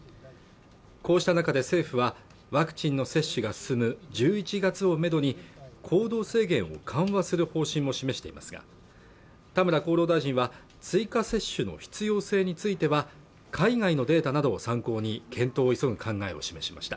こうした中で政府はワクチンの接種が進む１１月をめどに行動制限を緩和する方針も示していますが田村厚労大臣は追加接種の必要性については海外のデータなどを参考に検討を急ぐ考えを示しました